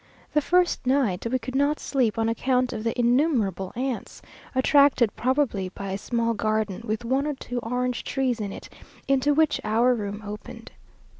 The first night we could not sleep on account of the innumerable ants, attracted probably by a small garden, with one or two orange trees in it, into which our room opened.